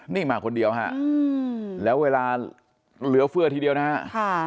นี่มาคนเดียวฮะแล้วเวลาเหลือเฟื่อทีเดียวนะฮะ